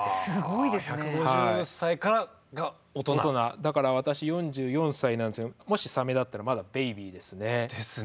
だから私４４歳なんですけどもしサメだったらまだベイビーですね。ですね！